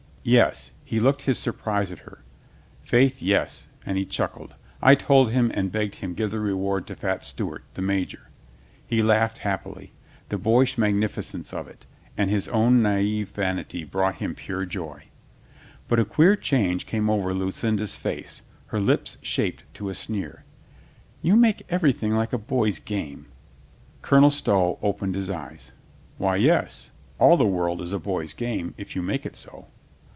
"Yes." He looked his surprise at her, "Faith, yes," and he chuckled. "I told him and begged him give the reward to fat Stewart, the major." He laughed happily. The boyish magnificence of it, his own naiVe vanity brought him pure joy. But a queer change came over Lucinda's face. Her lips shaped to a sneer. "You make everything like a boy's game." Colonel Stow opened his eyes. "Why, yes. All the world is a boy's game, if you make it so."